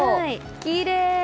きれい！